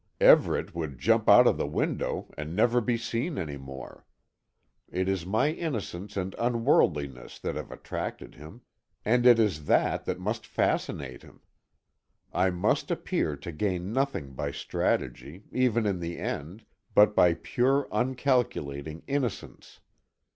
Everet would jump out of the window, and never be seen any more. It is my innocence and unworldliness that have attracted him, and it is that that must fascinate him. I must appear to gain nothing by strategy, even in the end, but by pure uncalculating innocence.